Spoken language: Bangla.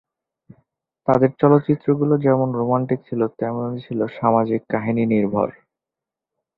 তাদের চলচ্চিত্র গুলো যেমন রোমান্টিক ছিল তেমন ছিল সামাজিক কাহিনী নির্ভর।